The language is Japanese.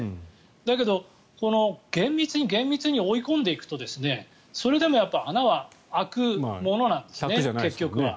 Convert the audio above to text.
だけど、厳密に厳密に追い込んでいくとそれでも穴は結局は開くものなんですね。